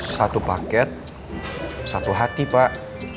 satu paket satu hati pak